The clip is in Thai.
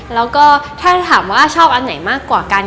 แล้วก็ถ้าถามว่าชอบอันไหนมากกว่ากัน